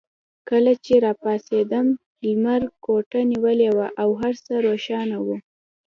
کله چې راپاڅېدم لمر کوټه نیولې وه او هر څه روښانه وو.